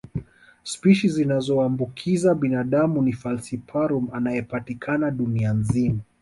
Spishi zinazoambukiza binadamu ni falciparum anayepatikana dunia nzima